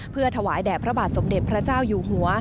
เพื่อถวายแด่พระบาทสมเด็จพระเจ้าอยู่หัว